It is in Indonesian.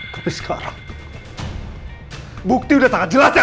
tapi sekarang bukti udah sangat jelas ya elsa